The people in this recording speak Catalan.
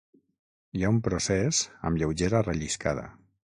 Hi ha un procés amb lleugera relliscada.